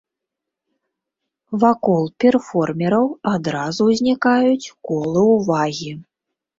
Вакол перформераў адразу ўзнікаюць колы ўвагі.